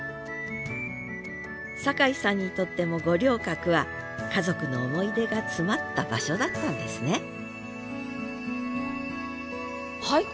坂井さんにとっても五稜郭は家族の思い出が詰まった場所だったんですね俳句